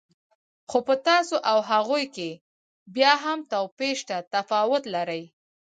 خو په تاسو او هغوی کې بیا هم توپیر شته، تفاوت لرئ.